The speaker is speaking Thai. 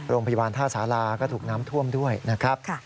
โรงพยาบาลท่าสาราก็ถูกน้ำท่วมด้วยนะครับ